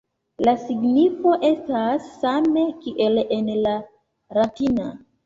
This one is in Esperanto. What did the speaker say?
La signifo estas same kiel en la latina.